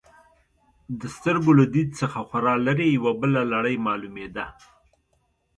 د سترګو له دید څخه خورا لرې، یوه بله لړۍ معلومېده.